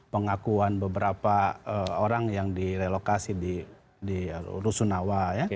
pengakuan beberapa orang yang direlokasi di rusunawa